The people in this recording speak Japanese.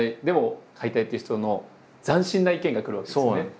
でも買いたいっていう人の斬新な意見が来るわけですね。